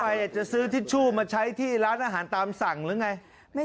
อาจจะซื้อทิชชู่มาใช้ที่ร้านอาหารตามสั่งหรือไง